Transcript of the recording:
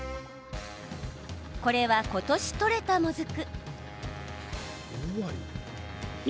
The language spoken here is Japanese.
これは、ことし取れたもずく。